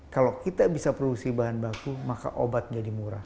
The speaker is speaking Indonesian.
kalau kita bisa produksi bahan baku maka obat jadi murah